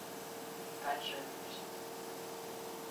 單身女性